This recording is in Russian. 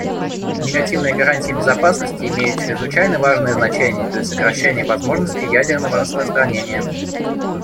Негативные гарантии безопасности имеют чрезвычайно важное значение для сокращения возможностей ядерного распространения.